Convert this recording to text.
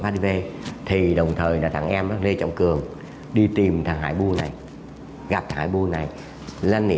hiv thì đồng thời là thằng em lê trọng cường đi tìm thằng hải buu này gặp hải buu này lên để